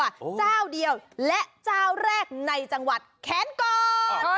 เจ้าเดียวและเจ้าแรกในจังหวัดแขนก่อน